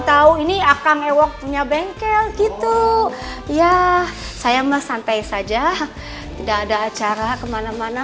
tahu ini akan mewaktunya bengkel gitu ya saya mah santai saja tidak ada acara kemana mana